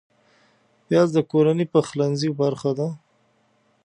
پیاز د کورنۍ پخلنځي برخه ده